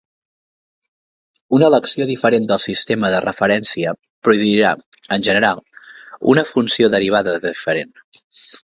Una elecció diferent del sistema de referència produirà, en general, una funció derivada diferent.